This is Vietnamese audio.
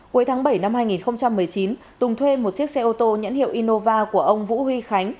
cuối tháng bảy năm hai nghìn một mươi chín tùng thuê một chiếc xe ô tô nhãn hiệu inova của ông vũ huy khánh